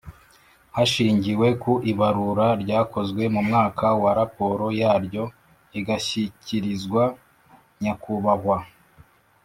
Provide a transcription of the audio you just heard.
Hashingiwe ku ibarura ryakozwe mu mwaka wa raporo yaryo igashyikirizwa Nyakubahwa